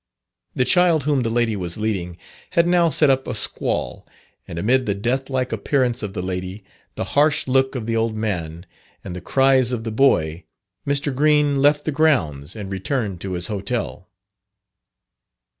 The child whom the lady was leading had now set up a squall; and amid the death like appearance of the lady, the harsh look of the old man, and the cries of the boy, Mr. Green left the grounds and returned to his hotel.